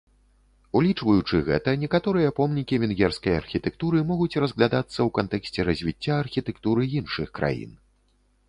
Улічваючы гэта, некаторыя помнікі венгерскай архітэктуры могуць разглядацца ў кантэксце развіцця архітэктуры іншых краін.